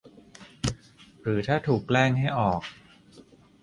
หรือถ้าถูกแกล้งให้ออก